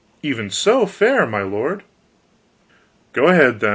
"Even so, fair my lord." "Go ahead, then.